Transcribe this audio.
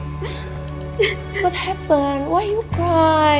apa yang terjadi kenapa kamu menangis